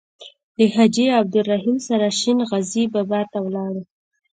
له حاجي عبدالرحیم سره شین غزي بابا ته ولاړو.